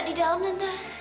di dalam tante